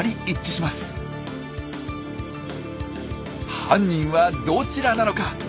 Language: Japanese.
犯人はどちらなのか？